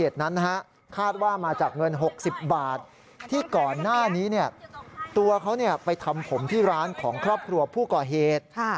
ที่ร้านของครอบครัวผู้ก่อเหตุ